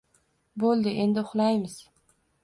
Bo‘ldi, endi uxlaymiz.